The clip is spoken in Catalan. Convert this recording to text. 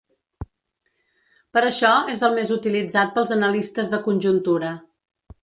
Per això és el més utilitzat pels analistes de conjuntura.